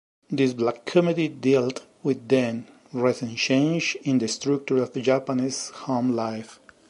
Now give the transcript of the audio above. This black comedy dealt with then-recent changes in the structure of Japanese home life.